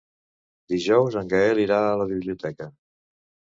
Dijous en Gaël irà a la biblioteca.